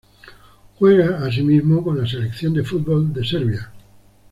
Juega, asimismo, con la selección de fútbol de Serbia.